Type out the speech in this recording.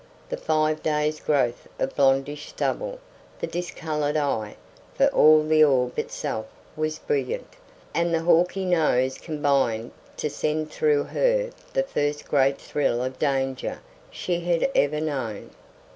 The five days' growth of blondish stubble, the discoloured eye for all the orb itself was brilliant and the hawky nose combined to send through her the first great thrill of danger she had ever known.